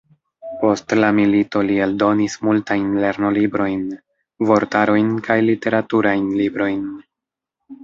Post la milito li eldonis multajn lernolibrojn, vortarojn kaj literaturajn librojn.